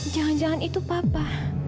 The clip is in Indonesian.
jangan jangan itu papa